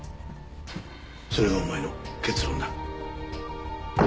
それがお前の結論だ。